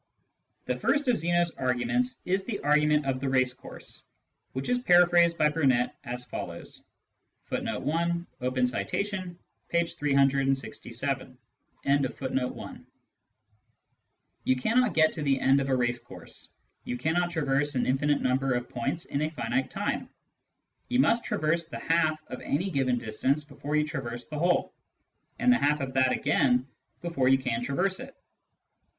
The first of Zeno's arguments is the argument of the race course, which is paraphrased by Burnet as follows :^ "You cannot get to the end of a race course. Yqu cannot traverse an infinite number of points in a finite time. You must traverse the half of any given distance before you traverse the whole, and the half of that again before you can traverse it.